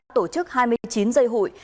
tổ chức hai mươi chín dây hụi